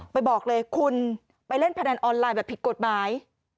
บอกเลยคุณไปเล่นพนันออนไลน์แบบผิดกฎหมาย